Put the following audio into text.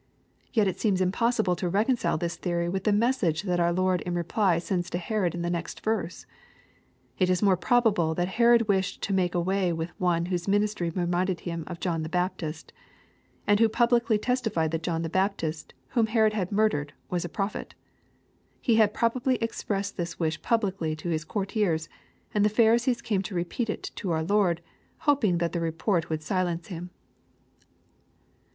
Yet it seems impossible to recon cile this theory with the message that our Lord in reply sends to Herod in the next verse. It is more probable that Herod wished to make away with One whose ministry reminded him of John the Baptist, and who i)ublicly testified that John the Baptist, whom Herod had murdered, was a prophet. He had probably expressed this wish publicly to his courtiers, and the Pharisees came to repeat it to our Lord, hoping that the report would silence Him.